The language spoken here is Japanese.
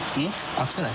熱くない？